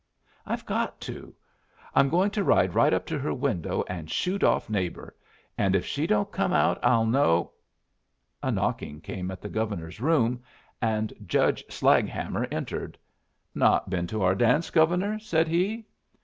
"I've got to. I'm going to ride right up to her window and shoot off 'Neighbor,' and if she don't come out I'll know " A knocking came at the Governor's room, and Judge Slaghammer entered. "Not been to our dance, Governor?" said he.